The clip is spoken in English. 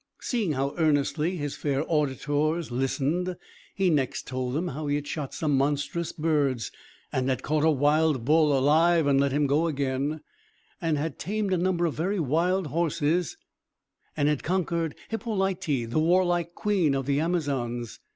Seeing how earnestly his fair auditors listened, he next told them how he had shot some monstrous birds, and had caught a wild bull alive and let him go again, and had tamed a number of very wild horses, and had conquered Hippolyta, the warlike queen of the Amazons.